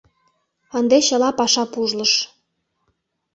Ынде чыла паша пужлыш...